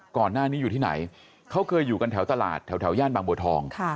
ก่อนหน้านี้อยู่ที่ไหนเขาเคยอยู่กันแถวตลาดแถวย่านบางบัวทอง